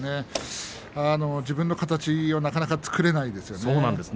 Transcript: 自分の形を、なかなか作れていませんね。